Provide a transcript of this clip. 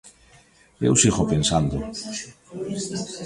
Eu sigo pensándoo.